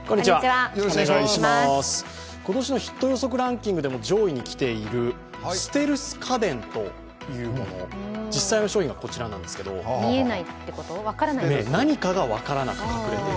今年のヒット予測ランキングでも上位に来ているステルス家電というもの、実際の商品がこちらなんですけど、何かが分からない、隠れていると。